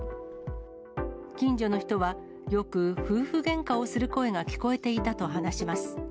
近所の人は、よく夫婦げんかをする声が聞こえていたと話します。